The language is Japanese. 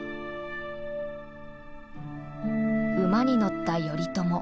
馬に乗った頼朝。